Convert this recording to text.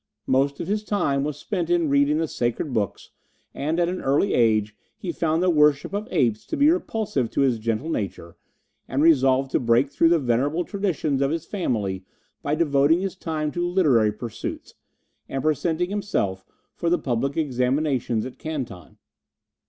Most of his time was spent in reading the sacred books, and at an early age he found the worship of apes to be repulsive to his gentle nature, and resolved to break through the venerable traditions of his family by devoting his time to literary pursuits, and presenting himself for the public examinations at Canton.